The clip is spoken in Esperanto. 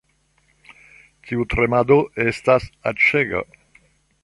Tiu tremado estas aĉega